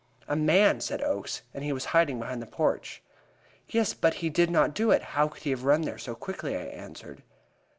"A man!" said Oakes, "and he was hiding behind the porch." "Yes, but he did not do it; how could he have run there so quickly?" I answered.